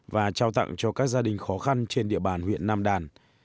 và trao tặng cho các gia đình khó khăn trên địa bàn huyện nam đàn